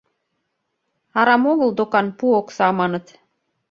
Арам огыл докан пу окса маныт...